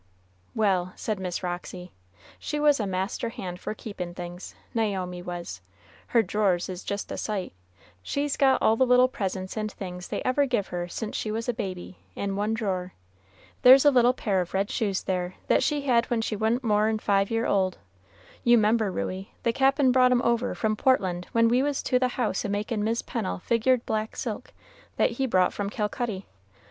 "Well," said Miss Roxy, "she was a master hand for keepin' things, Naomi was; her drawers is just a sight; she's got all the little presents and things they ever give her since she was a baby, in one drawer. There's a little pair of red shoes there that she had when she wa'n't more'n five year old. You 'member, Ruey, the Cap'n brought 'em over from Portland when we was to the house a makin' Mis' Pennel's figured black silk that he brought from Calcutty.